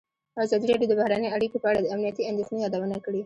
ازادي راډیو د بهرنۍ اړیکې په اړه د امنیتي اندېښنو یادونه کړې.